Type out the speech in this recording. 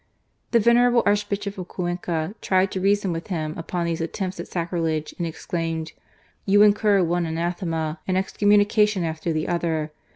The venerable Arch bishop of Cuenca tried to reason with him upon these attempts at sacrilege, and exclaimed: '"You incur one anathema and excommunication after the other.